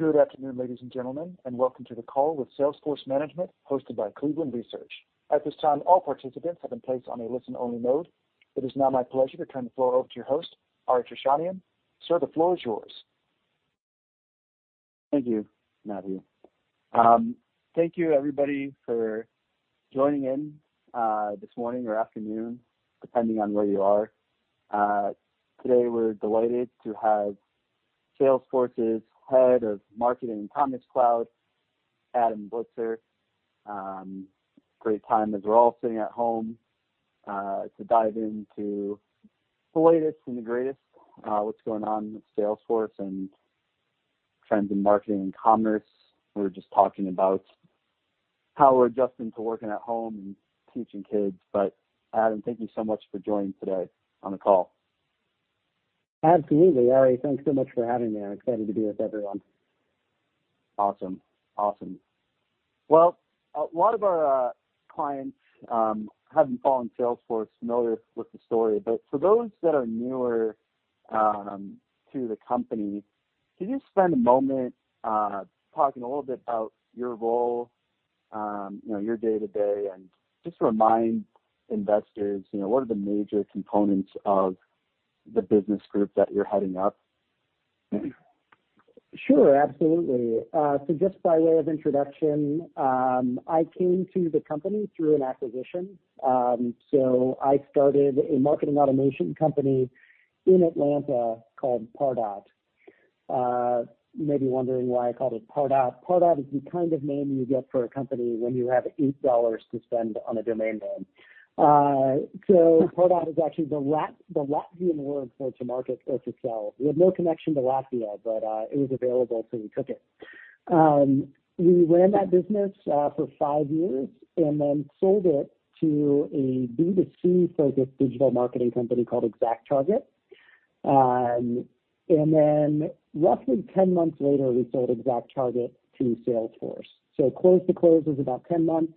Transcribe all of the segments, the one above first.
Good afternoon, ladies and gentlemen, and welcome to the call with Salesforce Management hosted by Cleveland Research. At this time, all participants have been placed on a listen-only mode. It is now my pleasure to turn the floor over to your host, Ari Trishanian. Sir, the floor is yours. Thank you, Matthew. Thank you, everybody, for joining in this morning or afternoon, depending on where you are. Today, we're delighted to have Salesforce's Head of Marketing and Commerce Cloud, Adam Blitzer. Great time as we're all sitting at home, to dive into the latest and the greatest, what's going on with Salesforce and trends in marketing and commerce. We were just talking about how we're adjusting to working at home and teaching kids. Adam, thank you so much for joining today on the call. Absolutely, Ari. Thanks so much for having me. I'm excited to be with everyone. Awesome. Well, a lot of our clients have fallen Salesforce familiar with the story. For those that are newer to the company, can you spend a moment talking a little bit about your role, your day-to-day, and just remind investors what are the major components of the business group that you're heading up? Sure, absolutely. Just by way of introduction, I came to the company through an acquisition. I started a marketing automation company in Atlanta called Pardot. You may be wondering why I called it Pardot. Pardot is the kind of name you get for a company when you have $8 to spend on a domain name. Pardot is actually the Latvian word for to market or to sell. We had no connection to Latvia, but it was available, so we took it. We ran that business for five years and then sold it to a B2C-focused digital marketing company called ExactTarget. Roughly 10 months later, we sold ExactTarget to Salesforce. Close to close was about 10 months.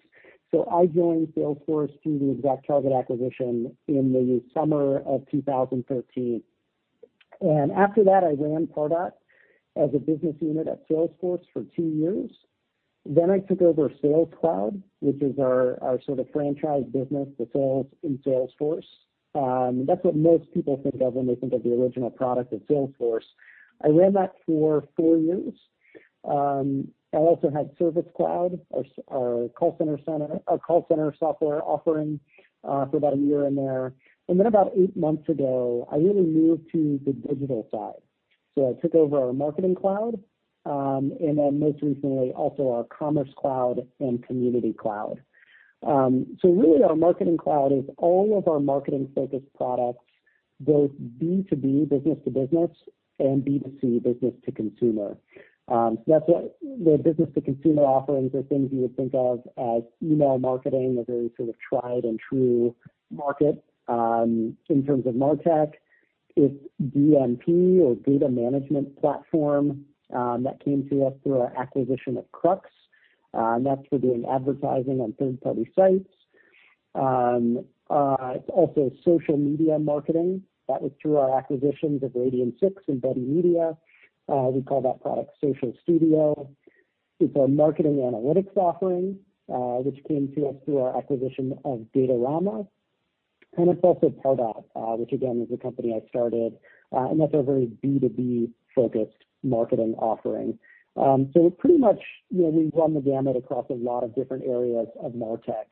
I joined Salesforce through the ExactTarget acquisition in the summer of 2013. After that, I ran Pardot as a business unit at Salesforce for two years. I took over Sales Cloud, which is our sort of franchise business that sells in Salesforce. That's what most people think of when they think of the original product at Salesforce. I ran that for four years. I also had Service Cloud, our call center software offering, for about a year in there. About eight months ago, I really moved to the digital side. I took over our Marketing Cloud, and then most recently, also our Commerce Cloud and Community Cloud. Really, our Marketing Cloud is all of our marketing-focused products, both B2B, business to business, and B2C, business to consumer. That's the business to consumer offerings are things you would think of as email marketing, a very sort of tried and true market, in terms of MarTech. It's DMP or Data Management Platform, that came to us through our acquisition of Krux. That's for doing advertising on third-party sites. It's also social media marketing. That was through our acquisitions of Radian6 and Buddy Media. We call that product Social Studio. It's our marketing analytics offering, which came to us through our acquisition of Datorama. It's also Pardot, which again, is a company I started, and that's a very B2B-focused marketing offering. Pretty much, we've run the gamut across a lot of different areas of MarTech.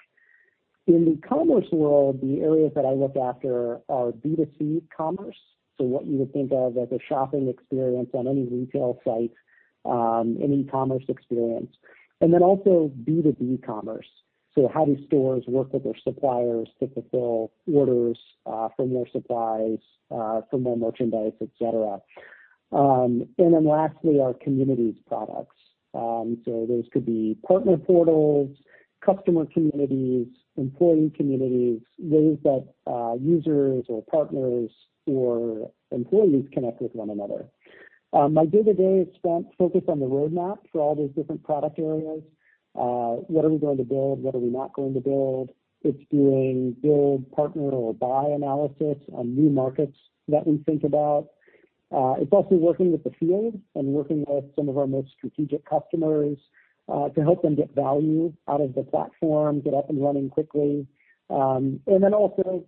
In the commerce world, the areas that I look after are B2C commerce, so what you would think of as a shopping experience on any retail site, any commerce experience. Then also B2B commerce. How do stores work with their suppliers to fulfill orders for more supplies, for more merchandise, et cetera? Then lastly, our communities products. Those could be partner portals, customer communities, employee communities, ways that users or partners or employees connect with one another. My day-to-day is spent focused on the roadmap for all these different product areas. What are we going to build? What are we not going to build? It's doing build, partner, or buy analysis on new markets that we think about. It's also working with the field and working with some of our most strategic customers, to help them get value out of the platform, get up and running quickly. Then also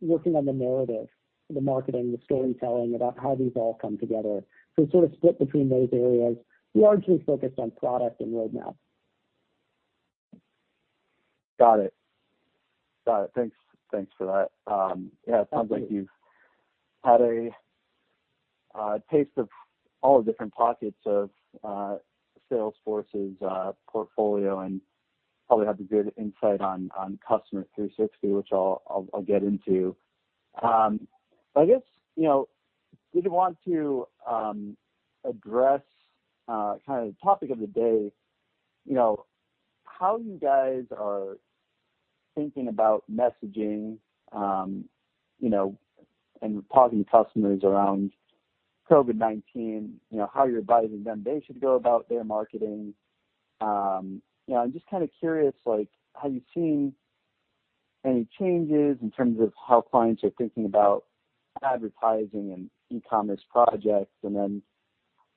working on the narrative, the marketing, the storytelling about how these all come together. I sort of split between those areas, but largely focused on product and roadmap. Got it. Thanks for that. Absolutely. Yeah, it sounds like you've had a taste of all the different pockets of Salesforce's portfolio and probably have the good insight on Customer 360, which I'll get into. I guess, did you want to address kind of the topic of the day, how you guys are thinking about messaging, and talking to customers around COVID-19, how you're advising them they should go about their marketing? I'm just kind of curious, like, have you seen any changes in terms of how clients are thinking about advertising and e-commerce projects?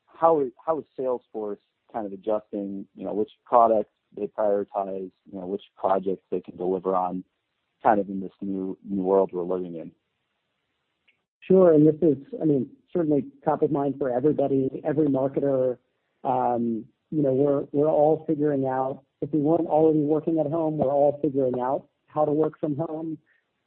How is Salesforce kind of adjusting, which products they prioritize, which projects they can deliver on kind of in this new world we're living in? Sure. This is certainly top of mind for everybody, every marketer. We're all figuring out, if we weren't already working at home, we're all figuring out how to work from home.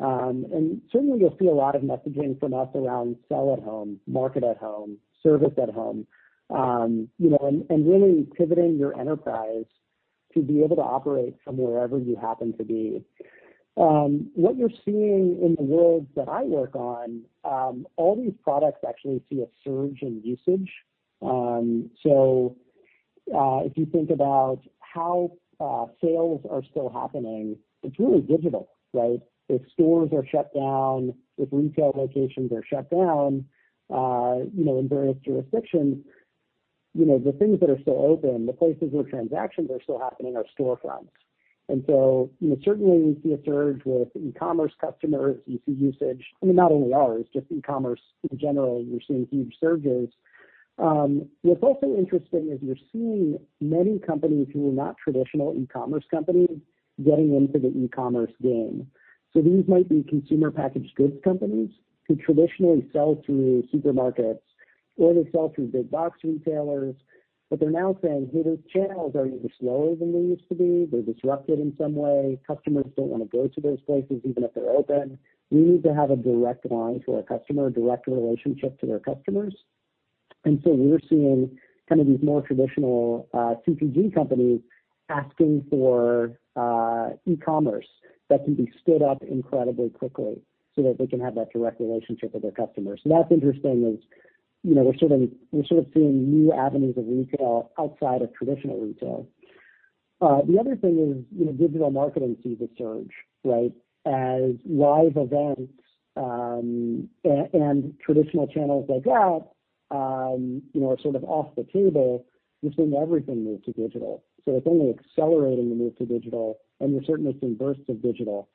Certainly, you'll see a lot of messaging from us around sell at home, market at home, service at home, and really pivoting your enterprise to be able to operate from wherever you happen to be. What you're seeing in the world that I work on, all these products actually see a surge in usage. If you think about how sales are still happening, it's really digital, right? If stores are shut down, if retail locations are shut down in various jurisdictions, the things that are still open, the places where transactions are still happening are storefronts. Certainly, we see a surge with e-commerce customers, you see usage. I mean, not only ours, just e-commerce in general, you're seeing huge surges. What's also interesting is you're seeing many companies who are not traditional e-commerce companies getting into the e-commerce game. These might be consumer packaged goods companies who traditionally sell to supermarkets or they sell through big box retailers. They're now saying, "Hey, those channels are either slower than they used to be. They're disrupted in some way. Customers don't want to go to those places, even if they're open. We need to have a direct line to our customer, a direct relationship to their customers." We're seeing kind of these more traditional CPG companies asking for e-commerce that can be stood up incredibly quickly so that they can have that direct relationship with their customers. That's interesting is we're sort of seeing new avenues of retail outside of traditional retail. The other thing is digital marketing sees a surge, right? As live events, and traditional channels like that are sort of off the table, we're seeing everything move to digital. It's only accelerating the move to digital, and we're certainly seeing bursts of digital.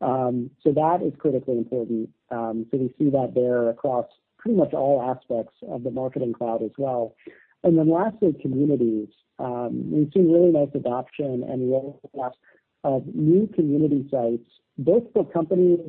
That is critically important. We see that there across pretty much all aspects of the Marketing Cloud as well. Lastly, communities. We've seen really nice adoption and roll-out of new community sites, both for companies,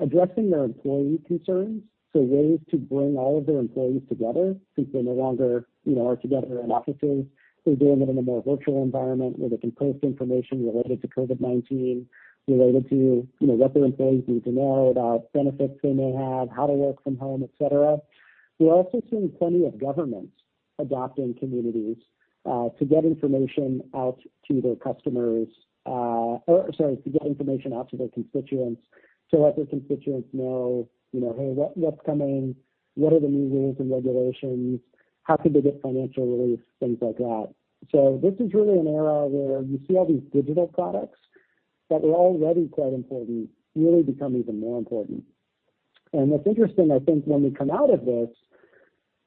addressing their employee concerns, so ways to bring all of their employees together since they no longer work together in offices. They're doing it in a more virtual environment where they can post information related to COVID-19, related to what their employees need to know about benefits they may have, how to work from home, et cetera. We're also seeing plenty of governments adopting communities, to get information out to their customers, or sorry, to get information out to their constituents, to let their constituents know, "Hey, what's coming? What are the new rules and regulations? How can they get financial relief?" Things like that. This is really an era where you see all these digital products that were already quite important, really become even more important. What's interesting, I think, when we come out of this,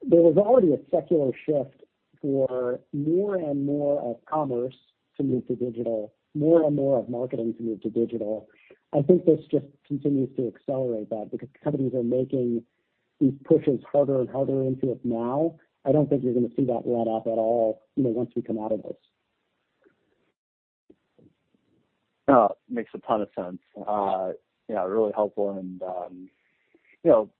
there was already a secular shift for more and more of commerce to move to digital, more and more of marketing to move to digital. I think this just continues to accelerate that because companies are making these pushes harder and harder into it now. I don't think you're going to see that let up at all, once we come out of this. No, makes a ton of sense. Yeah, really helpful and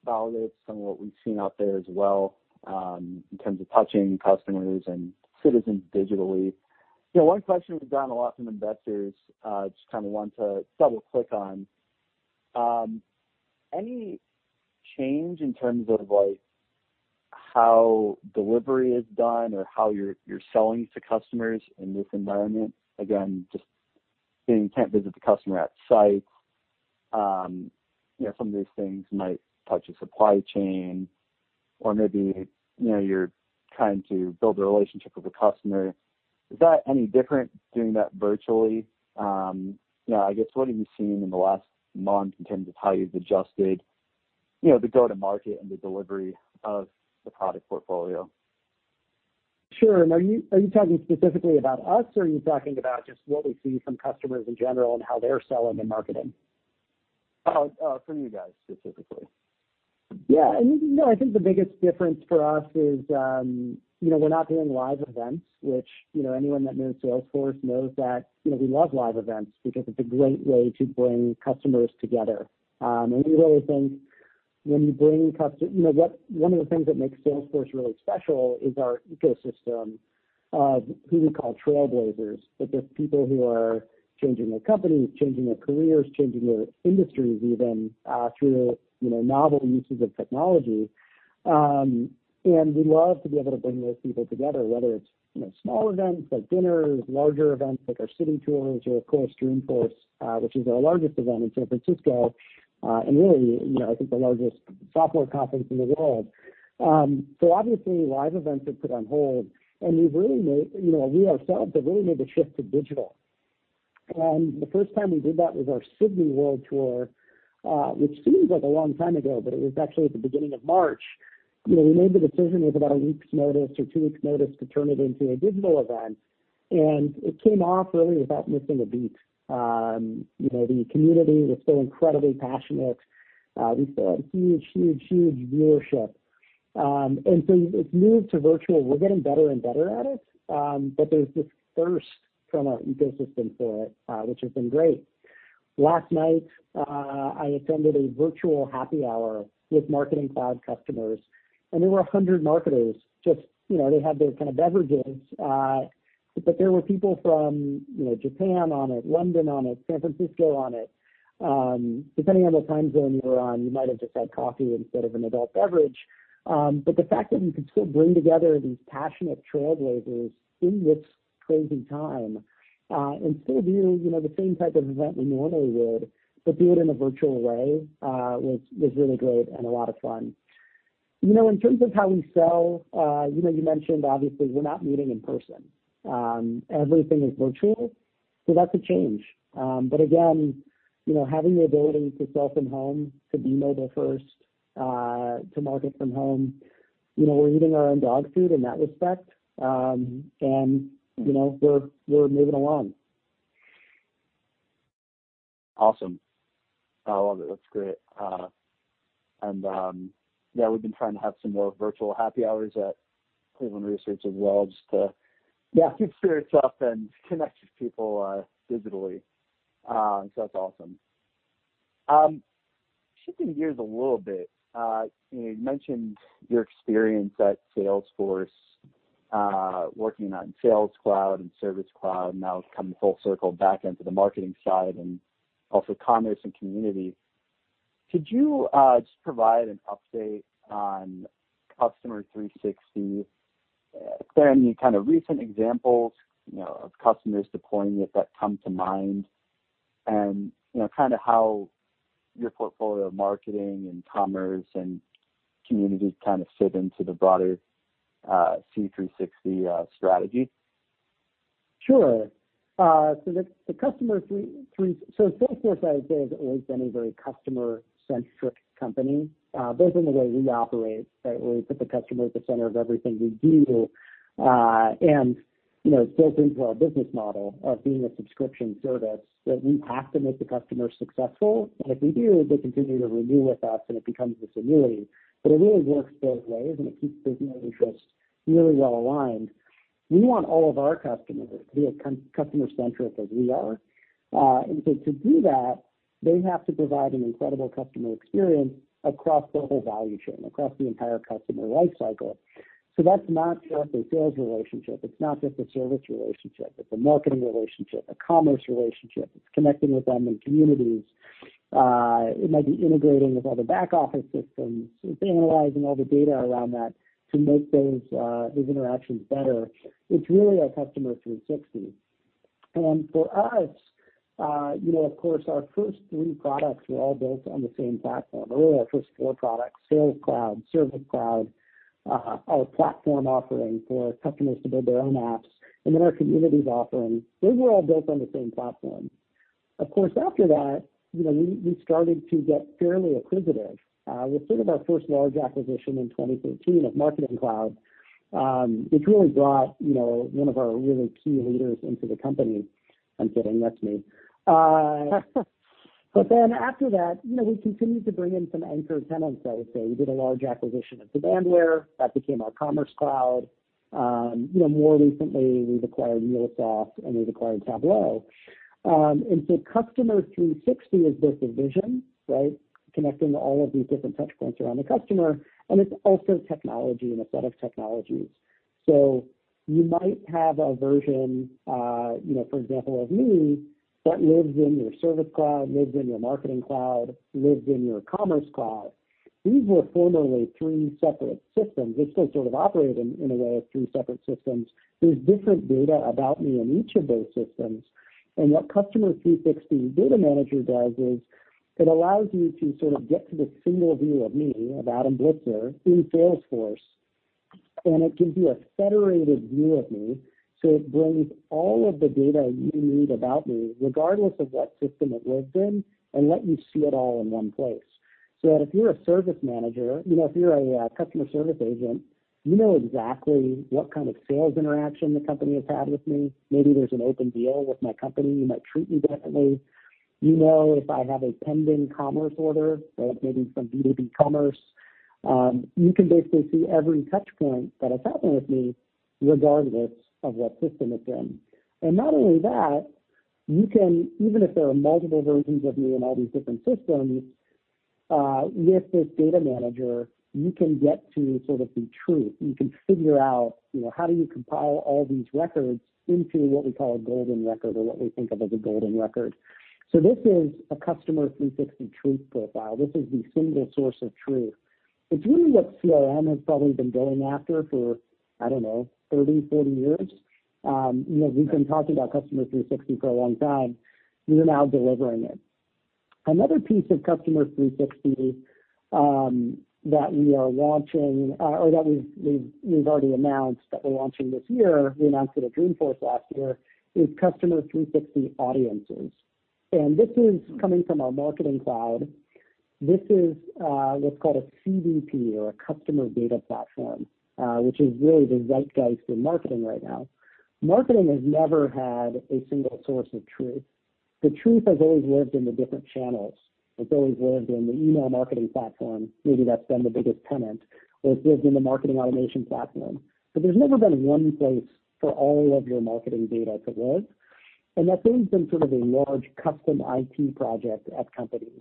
validates some of what we've seen out there as well, in terms of touching customers and citizens digitally. One question we've gotten a lot from investors, just kind of want to double click on. Any change in terms of how delivery is done or how you're selling to customers in this environment? Again, just being, can't visit the customer at site. Some of these things might touch a supply chain or maybe you're trying to build a relationship with a customer. Is that any different doing that virtually? I guess what have you seen in the last month in terms of how you've adjusted the go-to market and the delivery of the product portfolio? Sure. Are you talking specifically about us, or are you talking about just what we see from customers in general and how they're selling and marketing? From you guys specifically. I think the biggest difference for us is, we're not doing live events, which anyone that knows Salesforce knows that we love live events because it's a great way to bring customers together. We really think one of the things that makes Salesforce really special is our ecosystem of who we call Trailblazers. They're just people who are changing their companies, changing their careers, changing their industries even, through novel uses of technology. We love to be able to bring those people together, whether it's small events like dinners, larger events like our city tours, or of course, Dreamforce, which is our largest event in San Francisco, and really, I think the largest software conference in the world. Obviously live events are put on hold, and we ourselves have really made the shift to digital. The first time we did that was our Sydney World Tour, which seems like a long time ago, but it was actually at the beginning of March. We made the decision with about a week's notice or two weeks' notice to turn it into a digital event, and it came off really without missing a beat. The community was still incredibly passionate. We still had huge viewership. As we've moved to virtual, we're getting better and better at it. There's this thirst from our ecosystem for it, which has been great. Last night, I attended a virtual happy hour with Marketing Cloud customers, and there were 100 marketers, they had their kind of beverages, but there were people from Japan on it, London on it, San Francisco on it. Depending on the time zone you were on, you might have just had coffee instead of an adult beverage. The fact that we could still bring together these passionate Trailblazers in this crazy time, and still do the same type of event we normally would, but do it in a virtual way, was really great and a lot of fun. In terms of how we sell, you mentioned obviously we're not meeting in person. Everything is virtual, so that's a change. Again, having the ability to sell from home, to email the first, to market from home, we're eating our own dog food in that respect. We're moving along. Awesome. I love it. That's great. Yeah, we've been trying to have some more virtual happy hours at Cleveland Research as well. Yeah keep spirits up and connect with people digitally. That's awesome. Shifting gears a little bit, you mentioned your experience at Salesforce, working on Sales Cloud and Service Cloud, now coming full circle back into the marketing side and also commerce and community. Could you just provide an update on Customer 360? Are there any kind of recent examples of customers deploying it that come to mind, and kind of how your portfolio of marketing and commerce and community kind of fit into the broader C360 strategy? Salesforce, I would say, has always been a very customer-centric company, built in the way we operate, right? We put the customer at the center of everything we do. It's built into our business model of being a subscription service, that we have to make the customer successful. If we do, they continue to renew with us, and it becomes this annuity. It really works both ways, and it keeps business interests really well aligned. We want all of our customers to be as customer-centric as we are. To do that, they have to provide an incredible customer experience across the whole value chain, across the entire customer life cycle. That's not just a sales relationship, it's not just a service relationship, it's a marketing relationship, a commerce relationship. It's connecting with them in Communities. It might be integrating with other back office systems. It's analyzing all the data around that to make those interactions better. It's really our Customer 360. For us, of course our first three products were all built on the same platform. Really our first four products, Sales Cloud, Service Cloud, our platform offering for customers to build their own apps, and then our communities offering, they were all built on the same platform. After that, we started to get fairly acquisitive, with sort of our first large acquisition in 2013 of Marketing Cloud, which really brought one of our really key leaders into the company. I'm kidding, that's me. After that, we continued to bring in some anchor tenants, I would say. We did a large acquisition of Demandware, that became our Commerce Cloud. More recently we've acquired MuleSoft and we've acquired Tableau. Customer 360 is both a vision, right, connecting all of these different touch points around the customer, and it's also technology and a set of technologies. You might have a version, for example of me, that lives in your Service Cloud, lives in your Marketing Cloud, lives in your Commerce Cloud. These were formerly three separate systems. They still sort of operate in a way of three separate systems. There's different data about me in each of those systems, and what Customer 360 Data Manager does is it allows you to sort of get to the single view of me, of Adam Blitzer, in Salesforce, and it gives you a federated view of me. It brings all of the data you need about me, regardless of what system it lives in, and lets you see it all in one place. If you're a service manager, if you're a customer service agent, you know exactly what kind of sales interaction the company has had with me. Maybe there's an open deal with my company, you might treat me differently. You know if I have a pending commerce order, so maybe some B2B commerce. You can basically see every touch point that has happened with me, regardless of what system it's in. Not only that, you can, even if there are multiple versions of me in all these different systems, with this Data Manager, you can get to sort of the truth. You can figure out how do you compile all these records into what we call a golden record, or what we think of as a golden record. This is a Customer 360 Truth profile. This is the single source of truth. It's really what CRM has probably been going after for, I don't know, 30, 40 years. We've been talking about Customer 360 for a long time. We are now delivering it. Another piece of Customer 360, that we are launching, or that we've already announced that we're launching this year, we announced it at Dreamforce last year, is Customer 360 Audiences. This is coming from our Marketing Cloud. This is what's called a CDP or a customer data platform, which is really the zeitgeist in marketing right now. Marketing has never had a single source of truth. The truth has always lived in the different channels. It's always lived in the email marketing platform, maybe that's been the biggest tenant, or it's lived in the marketing automation platform. There's never been one place for all of your marketing data to live, and that's always been sort of a large custom IT project at companies.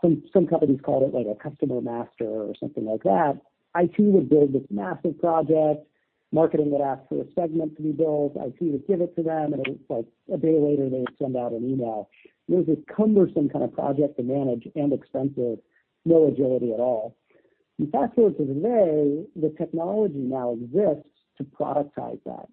Some companies call it a customer master or something like that. IT would build this massive project. Marketing would ask for a segment to be built. IT would give it to them, and it was like a day later, they would send out an email. It was this cumbersome kind of project to manage and expensive, no agility at all. Fast-forward to today, the technology now exists to productize that.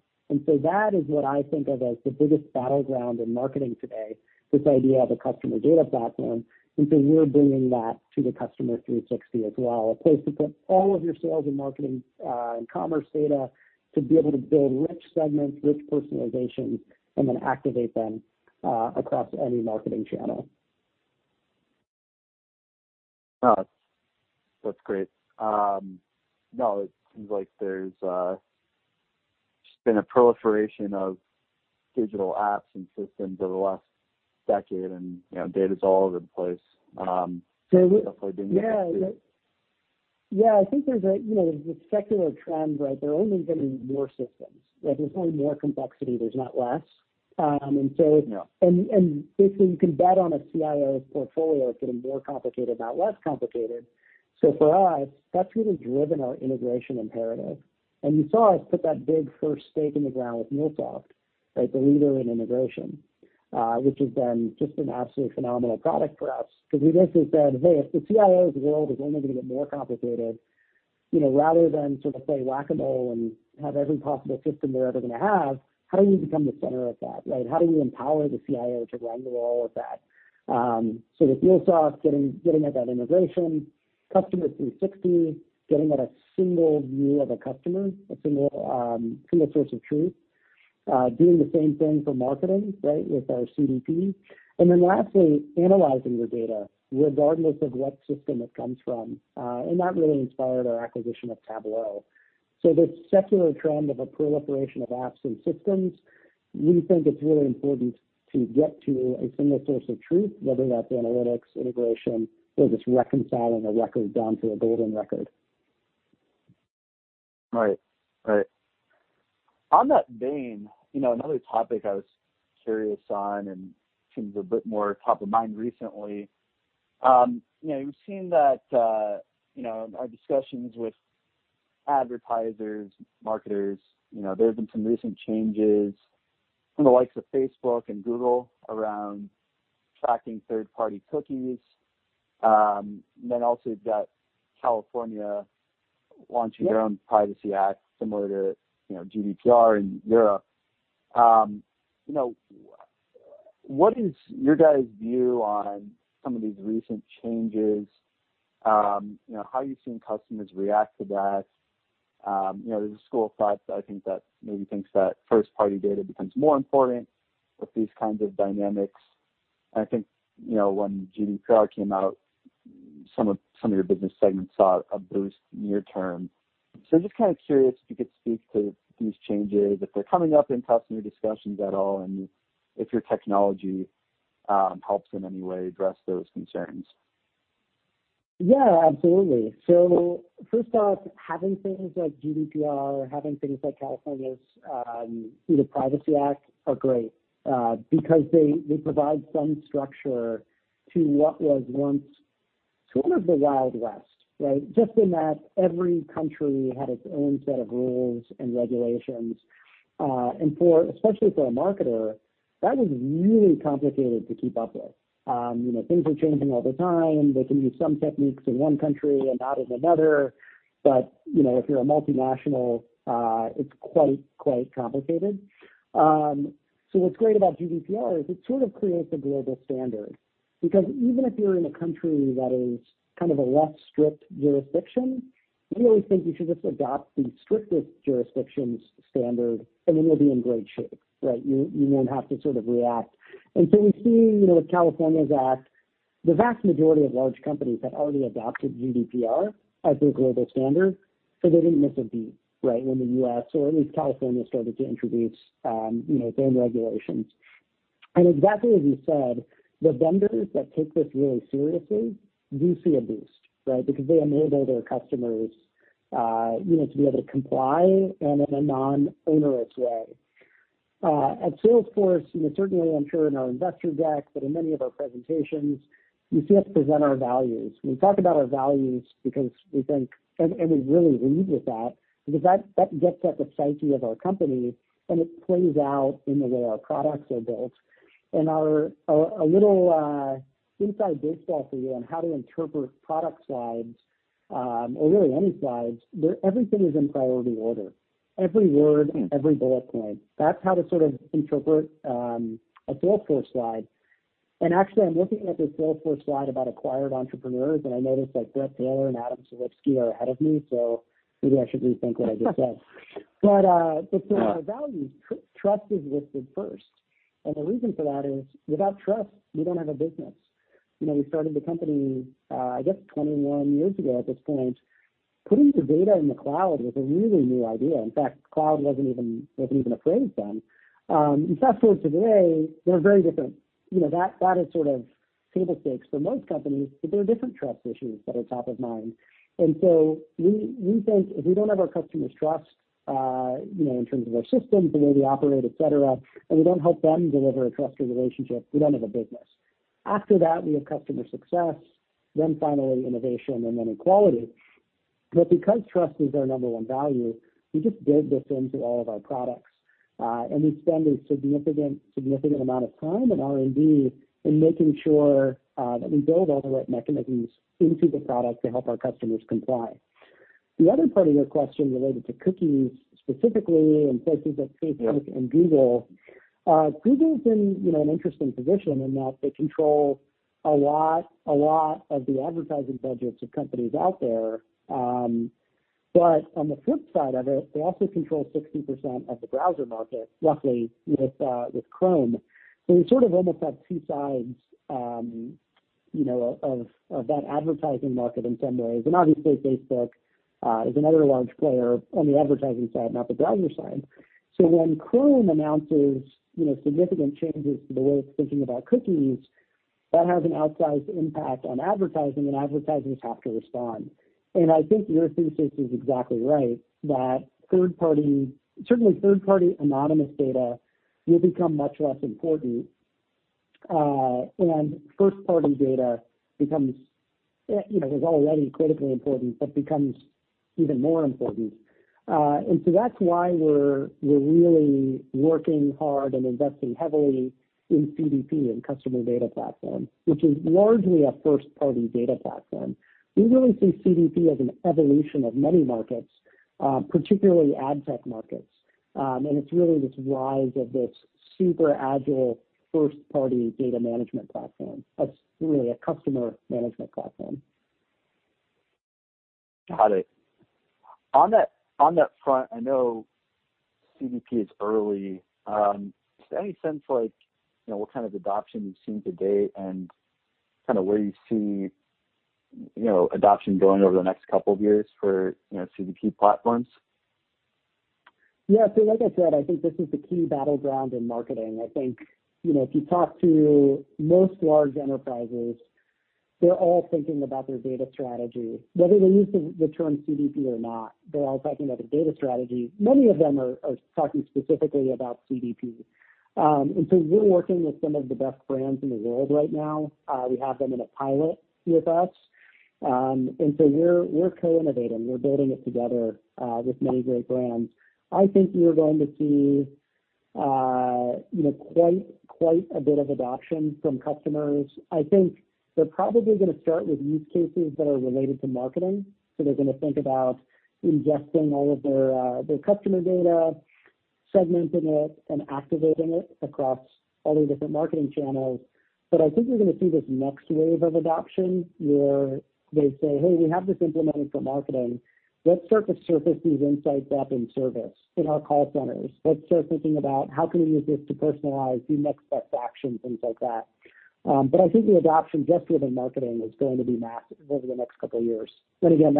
That is what I think of as the biggest battleground in marketing today, this idea of a customer data platform. We're bringing that to the Customer 360 as well, a place to put all of your sales and marketing, and commerce data to be able to build rich segments, rich personalization, and then activate them across any marketing channel. No, that's great. No, it seems like there's just been a proliferation of digital apps and systems over the last decade, and data's all over the place. Yeah. I think there's this secular trend, right? There are only going to be more systems, right? There's only more complexity. There's not less. No. Basically, you can bet on a CIO's portfolio, it's getting more complicated, not less complicated. For us, that's really driven our integration imperative, and you saw us put that big first stake in the ground with MuleSoft, right? The leader in integration, which has been just an absolutely phenomenal product for us because we basically said, "Hey, if the CIO's world is only going to get more complicated, rather than sort of play Whac-A-Mole and have every possible system they're ever going to have, how do we become the center of that, right? How do we empower the CIO to run the role with that? With MuleSoft, getting rid of that integration, Customer 360, getting at a single view of a customer, a single source of truth, doing the same thing for marketing, right, with our CDP, and then lastly, analyzing the data regardless of what system it comes from. That really inspired our acquisition of Tableau. This secular trend of a proliferation of apps and systems, we think it's really important to get to a single source of truth, whether that's analytics, integration, whether it's reconciling a record down to a golden record. Right. On that vein, another topic I was curious on and seems a bit more top of mind recently, we've seen that in our discussions with advertisers, marketers, there's been some recent changes from the likes of Facebook and Google around tracking third-party cookies. Also you've got California launching their own privacy act similar to GDPR in Europe. What is your guys view on some of these recent changes? How are you seeing customers react to that? There's a school of thought that I think that maybe thinks that first-party data becomes more important with these kinds of dynamics. I think, when GDPR came out, some of your business segments saw a boost near term. Just kind of curious if you could speak to these changes, if they're coming up in customer discussions at all, and if your technology helps in any way address those concerns. Yeah, absolutely. First off, having things like GDPR or having things like California's data privacy act are great, because they provide some structure to what was once sort of the Wild West, right? Just in that every country had its own set of rules and regulations. Especially for a marketer, that was really complicated to keep up with. Things are changing all the time. They can use some techniques in one country and not in another, but if you're a multinational, it's quite complicated. What's great about GDPR is it sort of creates a global standard because even if you're in a country that is kind of a less strict jurisdiction, we always think you should just adopt the strictest jurisdiction's standard, and then you'll be in great shape, right? You won't have to sort of react. We're seeing, with California's act, the vast majority of large companies had already adopted GDPR as their global standard, so they didn't miss a beat, right, when the U.S. or at least California started to introduce their own regulations. Exactly as you said, the vendors that take this really seriously do see a boost, right? Because they enable their customers to be able to comply and in a non-onerous way. At Salesforce, certainly I'm sure in our investor deck, but in many of our presentations, you see us present our values. We talk about our values because we really lead with that because that gets at the psyche of our company, and it plays out in the way our products are built. A little inside baseball for you on how to interpret product slides, or really any slides, everything is in priority order, every word and every bullet point. That's how to sort of interpret a Salesforce slide. Actually, I'm looking at this Salesforce slide about acquired entrepreneurs, and I noticed that Bret Taylor and Adam Selipsky are ahead of me, so maybe I should rethink what I just said. No Our values, trust is listed first, and the reason for that is without trust, you don't have a business. We started the company, I guess, 21 years ago at this point. Putting the data in the cloud was a really new idea. In fact, cloud wasn't even a phrase then. Fast-forward to today, we're very different. That is sort of table stakes for most companies, but there are different trust issues that are top of mind. We think if we don't have our customers' trust, in terms of our systems, the way we operate, et cetera, and we don't help them deliver a trusted relationship, we don't have a business. After that, we have customer success, then finally innovation, and then equality. Because trust is our number one value, we just build this into all of our products, and we spend a significant amount of time in R&D in making sure that we build all the right mechanisms into the product to help our customers comply. The other part of your question related to cookies specifically and places like Facebook and Google. Google's in an interesting position in that they control a lot of the advertising budgets of companies out there. On the flip side of it, they also control 60% of the browser market, roughly, with Chrome. We sort of almost have two sides of that advertising market in some ways. Obviously Facebook is another large player on the advertising side, not the browser side. When Chrome announces significant changes to the way it's thinking about cookies, that has an outsized impact on advertising, and advertisers have to respond. I think your thesis is exactly right, that certainly third-party anonymous data will become much less important. First-party data is already critically important, but becomes even more important. That's why we're really working hard and investing heavily in CDP, in customer data platform, which is largely a first-party data platform. We really see CDP as an evolution of many markets, particularly ad tech markets. It's really this rise of this super agile first-party data management platform that's really a customer management platform. Got it. On that front, I know CDP is early. Just any sense like, what kind of adoption you've seen to date and where you see adoption going over the next couple of years for CDP platforms? Yeah. Like I said, I think this is the key battleground in marketing. I think, if you talk to most large enterprises, they're all thinking about their data strategy. Whether they use the term CDP or not, they're all talking about their data strategy. Many of them are talking specifically about CDP. We're working with some of the best brands in the world right now. We have them in a pilot with us. We're co-innovating. We're building it together, with many great brands. I think you're going to see quite a bit of adoption from customers. I think they're probably going to start with use cases that are related to marketing. They're going to think about ingesting all of their customer data, segmenting it, and activating it across all their different marketing channels. I think you're going to see this next wave of adoption, where they say, "Hey, we have this implemented for marketing. Let's surface these insights up in service in our call centers. Let's start thinking about how can we use this to personalize the next best action, things like that." I think the adoption just within marketing is going to be massive over the next couple of years. Again,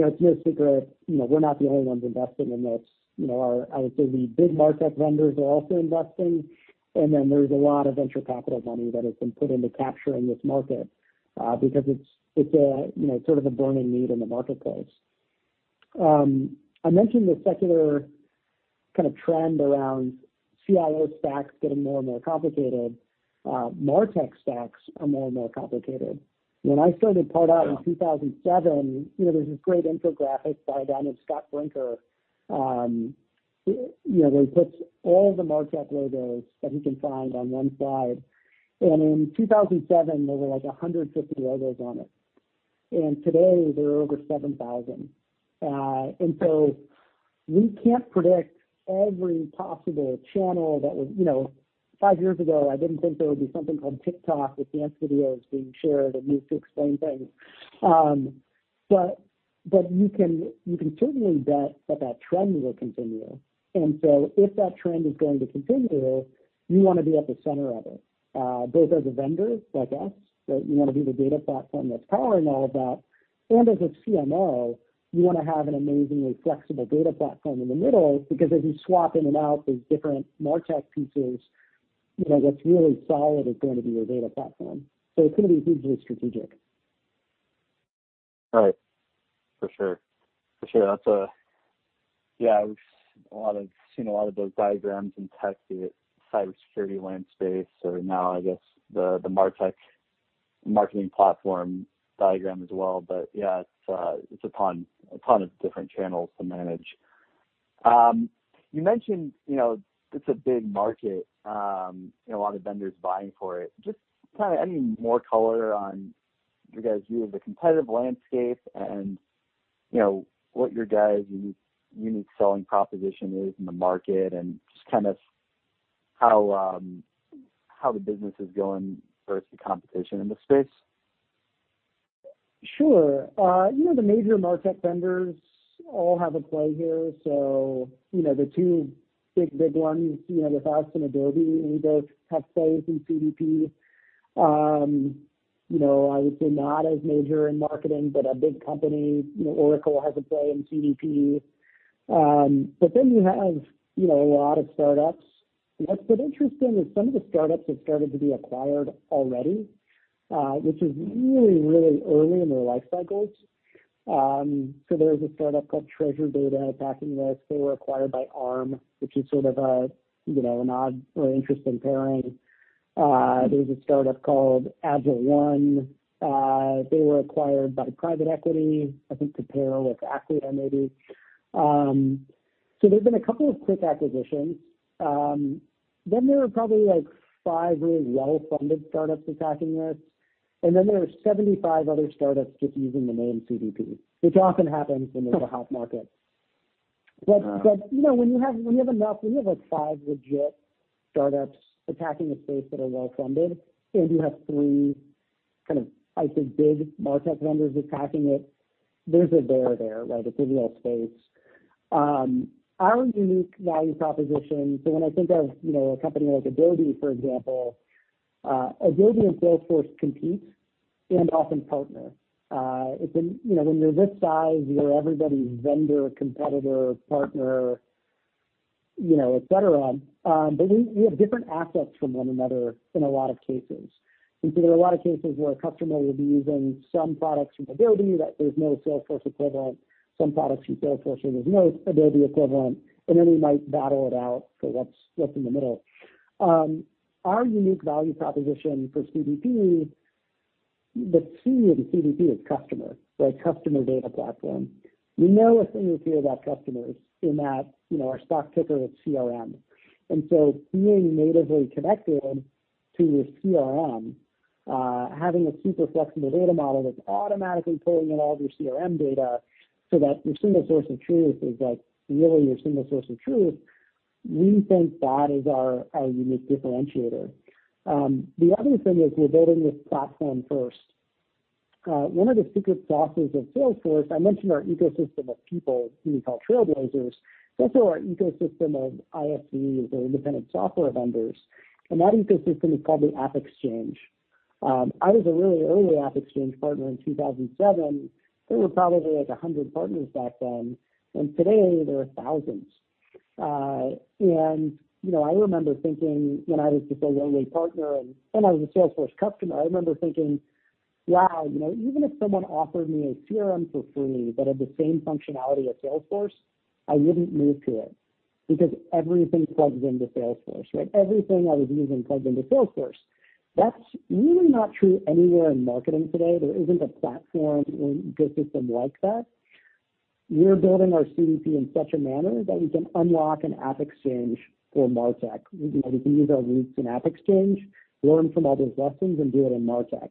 it's no secret, we're not the only ones investing in this. I would say the big market vendors are also investing, and then there's a lot of venture capital money that has been put into capturing this market, because it's sort of a burning need in the marketplace. I mentioned the secular kind of trend around CIO stacks getting more and more complicated. MarTech stacks are more and more complicated. When I started Pardot in 2007, there was this great infographic by a guy named Scott Brinker, where he puts all of the MarTech logos that he can find on one slide. In 2007, there were like 150 logos on it. Today, there are over 7,000. We can't predict every possible channel that would five years ago, I didn't think there would be something called TikTok with dance videos being shared and used to explain things. You can certainly bet that that trend will continue. If that trend is going to continue, you want to be at the center of it, both as a vendor like us, that you want to be the data platform that's powering all of that. As a CMO, you want to have an amazingly flexible data platform in the middle, because as you swap in and out those different MarTech pieces, what's really solid is going to be your data platform. It's going to be hugely strategic. Right. For sure. I've seen a lot of those diagrams in tech, be it cybersecurity landscape. Now, I guess the MarTech marketing platform diagram as well. Yeah, it's a ton of different channels to manage. You mentioned, it's a big market, a lot of vendors vying for it. Just any more color on your guys' view of the competitive landscape and what your guys' unique selling proposition is in the market and just how the business is going versus the competition in the space? Sure. The major MarTech vendors all have a play here. The two big ones, Salesforce and Adobe, they both have plays in CDP. I would say not as major in marketing, but a big company, Oracle, has a play in CDP. You have a lot of startups, and what's been interesting is some of the startups have started to be acquired already which is really early in their life cycles. There's a startup called Treasure Data attacking this. They were acquired by Arm, which is sort of an odd or interesting pairing. There's a startup called AgilOne. They were acquired by private equity, I think to pair with Acquia, maybe. There's been a couple of quick acquisitions. There are probably five really well-funded startups attacking this, and then there are 75 other startups just using the name CDP, which often happens when there's a hot market. When you have five legit startups attacking a space that are well-funded, and you have three, I'd say, big MarTech vendors attacking it, there's a bear there, right? It's a real space. Our unique value proposition, so when I think of a company like Adobe, for example, Adobe and Salesforce compete and often partner. When you're this size, you're everybody's vendor, competitor, partner, et cetera. We have different assets from one another in a lot of cases. There are a lot of cases where a customer will be using some products from Adobe that there's no Salesforce equivalent, some products from Salesforce where there's no Adobe equivalent, and then we might battle it out for what's in the middle. Our unique value proposition for CDP, the C in CDP is customer, right? Customer data platform. We know a thing or two about customers, in that our stock ticker is CRM. Being natively connected to your CRM, having a super flexible data model that's automatically pulling in all of your CRM data so that your single source of truth is really your single source of truth, we think that is our unique differentiator. The other thing is we're building this platform first. One of the secret sauces of Salesforce, I mentioned our ecosystem of people who we call Trailblazers, but also our ecosystem of ISVs or independent software vendors, and that ecosystem is called the AppExchange. I was a really early AppExchange partner in 2007. There were probably 100 partners back then, and today there are thousands. I remember thinking when I was just an early partner, and I was a Salesforce customer, I remember thinking, wow, even if someone offered me a CRM for free that had the same functionality as Salesforce, I wouldn't move to it because everything plugs into Salesforce, right? Everything I was using plugged into Salesforce. That's really not true anywhere in marketing today. There isn't a platform or ecosystem like that. We're building our CDP in such a manner that we can unlock an AppExchange for MarTech. We can use our roots in AppExchange, learn from all those lessons, and do it in MarTech.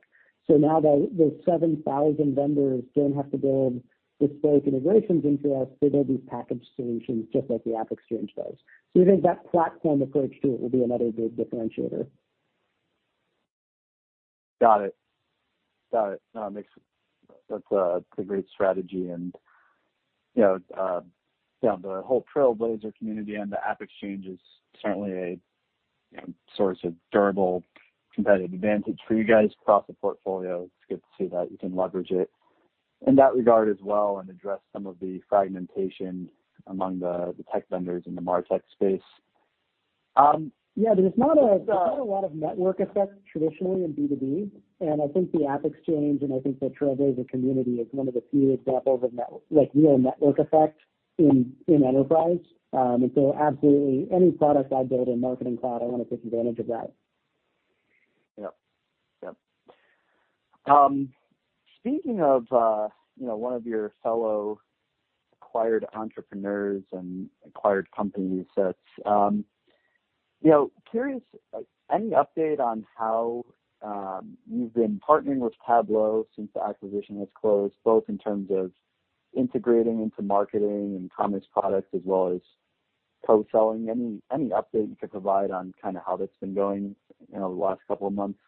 Now those 7,000 vendors don't have to build bespoke integrations into us. They build these packaged solutions, just like the AppExchange does. We think that platform approach to it will be another big differentiator. Got it. That's a great strategy. The whole Trailblazer community and the AppExchange is certainly a source of durable competitive advantage for you guys across the portfolio. It's good to see that you can leverage it in that regard as well and address some of the fragmentation among the tech vendors in the MarTech space. Yeah. There's not a lot of network effect traditionally in B2B, and I think the AppExchange, and I think the Trailblazer community is one of the few examples of real network effect in enterprise. Absolutely, any product I build in Marketing Cloud, I want to take advantage of that. Yep. Speaking of one of your fellow acquired entrepreneurs and acquired companies, curious, any update on how you've been partnering with Tableau since the acquisition has closed, both in terms of integrating into marketing and commerce products, as well as co-selling? Any update you could provide on how that's been going in the last couple of months?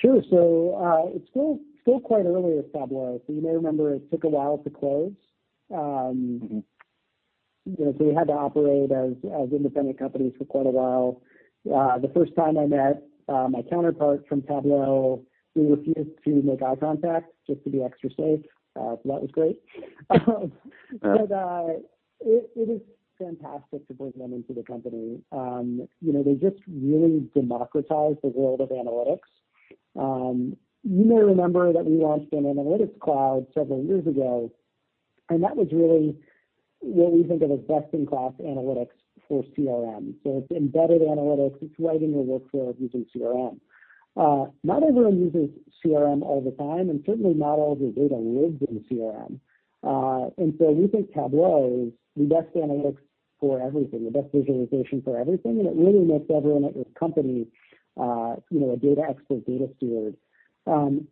Sure. It's still quite early with Tableau. You may remember it took a while to close. We had to operate as independent companies for quite a while. The first time I met my counterpart from Tableau, we refused to make eye contact just to be extra safe, that was great. It is fantastic to bring them into the company. They just really democratized the world of analytics. You may remember that we launched an Analytics Cloud several years ago, and that was really what we think of as best-in-class analytics for CRM. It's embedded analytics. It's writing your workflow using CRM. Not everyone uses CRM all the time, and certainly not all the data lives in CRM. We think Tableau is the best analytics for everything, the best visualization for everything, and it really makes everyone at your company a data expert, data steward.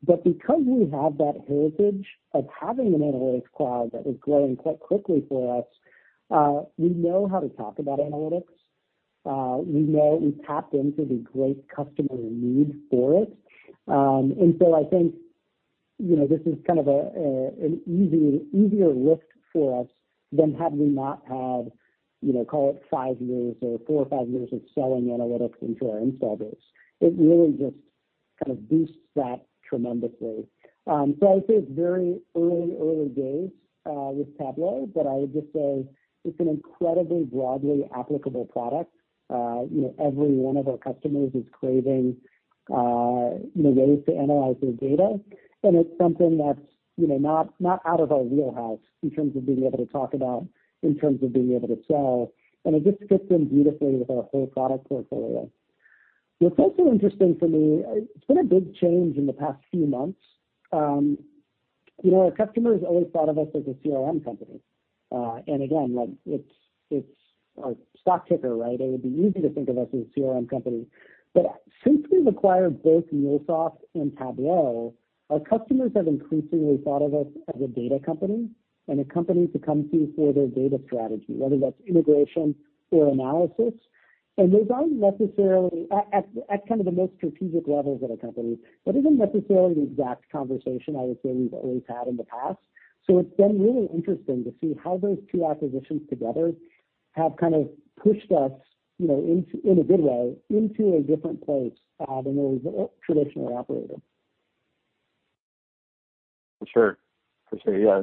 Because we have that heritage of having an Analytics Cloud that was growing quite quickly for us, we know how to talk about analytics. We know we've tapped into the great customer need for it. I think, this is kind of an easier lift for us than had we not had, call it five years or four or five years of selling analytics into our install base. It really just kind of boosts that tremendously. I would say it's very early days with Tableau, I would just say it's an incredibly broadly applicable product. Every one of our customers is craving ways to analyze their data, it's something that's not out of our wheelhouse in terms of being able to talk about, in terms of being able to sell, it just fits in beautifully with our whole product portfolio. What's also interesting for me, it's been a big change in the past few months. Our customers always thought of us as a CRM company. Again, our stock ticker, right? It would be easy to think of us as a CRM company. Since we've acquired both MuleSoft and Tableau, our customers have increasingly thought of us as a data company and a company to come to for their data strategy, whether that's integration or analysis. Those aren't necessarily at kind of the most strategic levels of the company, that isn't necessarily the exact conversation I would say we've always had in the past. It's been really interesting to see how those two acquisitions together have kind of pushed us, in a good way, into a different place than a traditional operator. For sure. For sure. Yeah,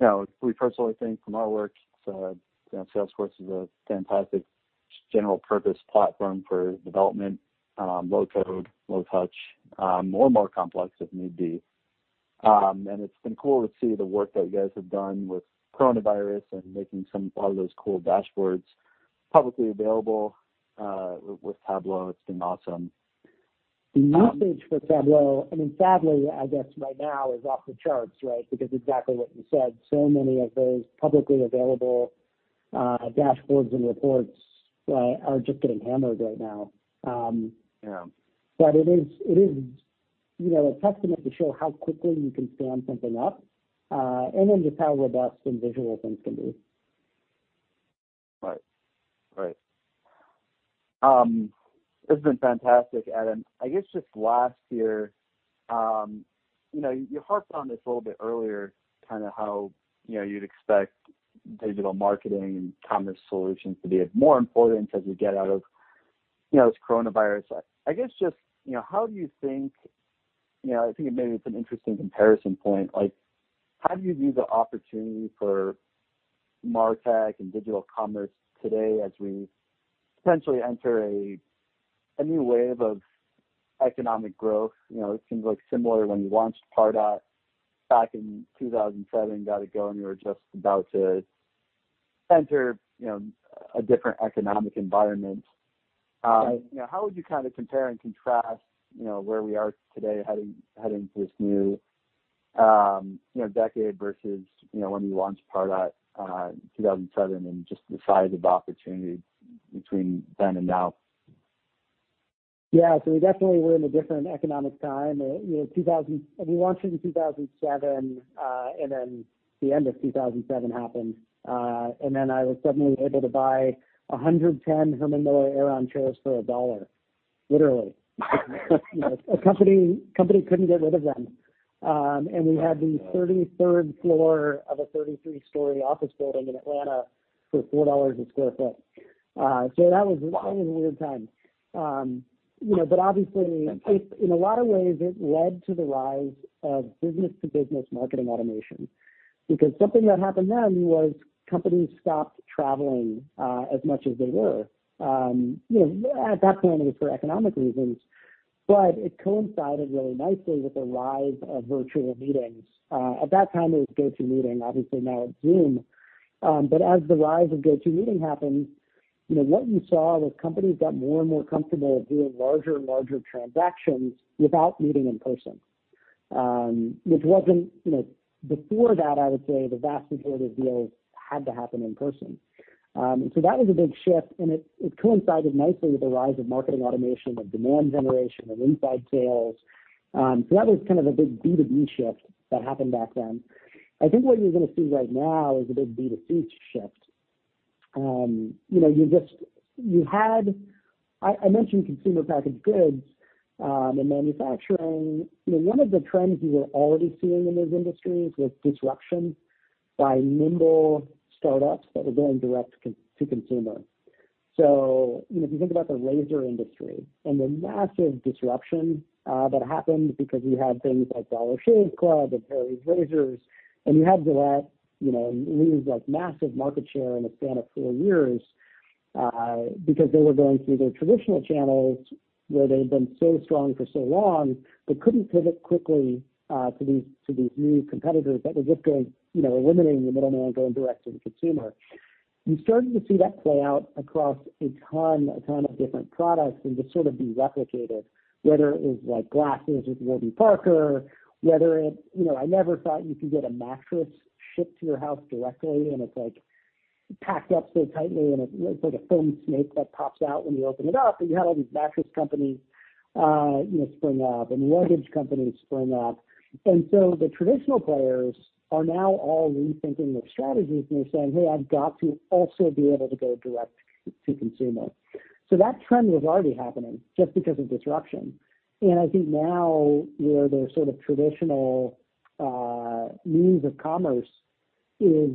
no, we personally think from our work, Salesforce is a fantastic general-purpose platform for development, low code, low touch, more and more complex if need be. It's been cool to see the work that you guys have done with coronavirus and making some of those cool dashboards publicly available, with Tableau. It's been awesome. The usage for Tableau, I mean, sadly, I guess right now is off the charts, right? Because exactly what you said, so many of those publicly available dashboards and reports are just getting hammered right now. Yeah. It is a testament to show how quickly you can stand something up, and then just how robust and visual things can be. Right. This has been fantastic, Adam. I guess just last here, you harped on this a little bit earlier, how you'd expect digital marketing and commerce solutions to be more important as we get out of this coronavirus. I guess just, how do you think, I think maybe it's an interesting comparison point, how do you view the opportunity for MarTech and digital Commerce today as we potentially enter a new wave of economic growth? It seems like similar when you launched Pardot back in 2007, got it going, you were just about to enter a different economic environment. Yeah. How would you kind of compare and contrast where we are today heading into this new decade versus when we launched Pardot in 2007 and just the size of opportunity between then and now? Yeah. We definitely were in a different economic time. We launched into 2007, the end of 2007 happened. I was suddenly able to buy 110 Herman Miller Aeron chairs for $1, literally. A company couldn't get rid of them. We had the 33rd floor of a 33-story office building in Atlanta for $4 a square foot. That was a weird time. Fantastic In a lot of ways, it led to the rise of business-to-business marketing automation because something that happened then was companies stopped traveling as much as they were. At that point it was for economic reasons. It coincided really nicely with the rise of virtual meetings. At that time it was GoTo Meeting, obviously now it's Zoom. As the rise of GoTo Meeting happened, what you saw was companies got more and more comfortable doing larger and larger transactions without meeting in person. Before that, I would say the vast majority of deals had to happen in person. That was a big shift, and it coincided nicely with the rise of marketing automation, of demand generation, of inside sales. That was kind of a big B2B shift that happened back then. I think what you're going to see right now is a big B2C shift. I mentioned consumer packaged goods and manufacturing. One of the trends we were already seeing in those industries was disruption by nimble startups that were going direct to consumer. If you think about the razor industry and the massive disruption that happened because you had things like Dollar Shave Club and Harry's Razors, and you had Gillette lose massive market share in a span of four years, because they were going through their traditional channels where they'd been so strong for so long, but couldn't pivot quickly, to these new competitors that were just eliminating the middleman and going direct to the consumer. You're starting to see that play out across a ton of different products and just sort of be replicated, whether it is glasses with Warby Parker, whether it I never thought you could get a mattress shipped to your house directly, and it's like Packed up so tightly in a sort of foam snake that pops out when you open it up, and you had all these mattress companies spring up and luggage companies spring up. The traditional players are now all rethinking their strategies, and they're saying, "Hey, I've got to also be able to go direct to consumer." That trend was already happening just because of disruption. I think now where the sort of traditional means of commerce is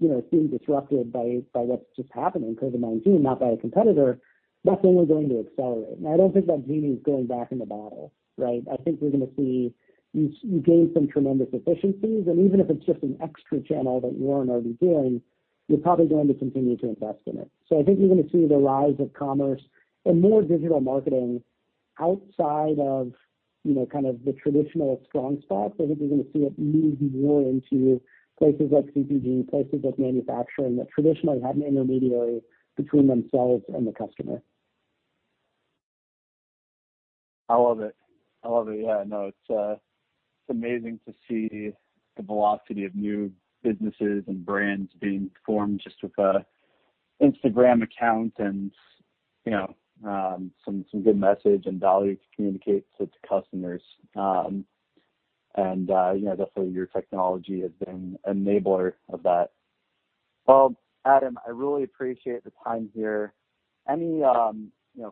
being disrupted by what's just happening, COVID-19, not by a competitor, that trend is only going to accelerate. I don't think that genie's going back in the bottle, right? I think we're going to see you gain some tremendous efficiencies, and even if it's just an extra channel that you weren't already doing, you're probably going to continue to invest in it. I think you're going to see the rise of commerce and more digital marketing outside of the traditional strong spots. I think you're going to see it move more into places like CPG, places like manufacturing, that traditionally had an intermediary between themselves and the customer. I love it. I love it. Yeah, no, it's amazing to see the velocity of new businesses and brands being formed just with an Instagram account and some good message and value to communicate to customers. Definitely your technology has been an enabler of that. Well, Adam, I really appreciate the time here. Any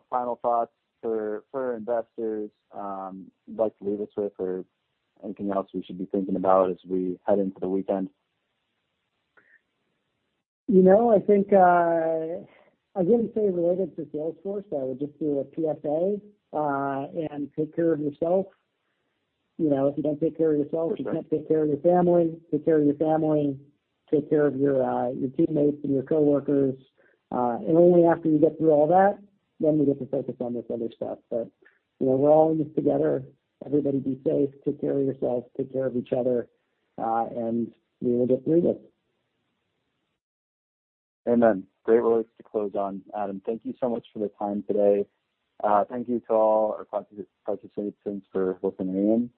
final thoughts for investors you'd like to leave us with or anything else we should be thinking about as we head into the weekend? I think I wouldn't say related to Salesforce, but I would just do a PSA, and take care of yourself. If you don't take care of yourself. For sure. You can't take care of your family. Take care of your family, take care of your teammates and your coworkers. Only after you get through all that, then we get to focus on this other stuff. We're all in this together. Everybody be safe, take care of yourselves, take care of each other, and we will get through this. Amen. Great words to close on, Adam. Thank you so much for the time today. Thank you to all our participants for listening in,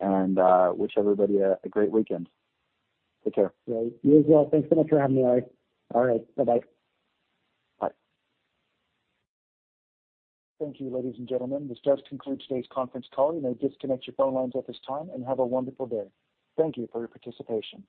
and wish everybody a great weekend. Take care. Great. You as well. Thanks so much for having me, Ari. All right, bye-bye. Bye. Thank you, ladies and gentlemen. This does conclude today's conference call. You may disconnect your phone lines at this time, and have a wonderful day. Thank you for your participation.